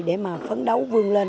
để mà phấn đấu vươn lên